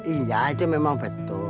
iya itu memang betul